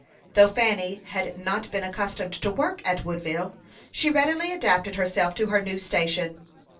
Though Fanny had not been accustomed to work at Woodville, she readily adapted herself to her new station.